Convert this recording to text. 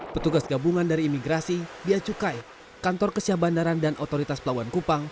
petugas gabungan dari imigrasi bia cukai kantor kesih bandaran dan otoritas pelawan kupang